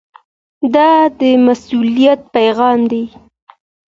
دا د مسؤلیت پیغام دی.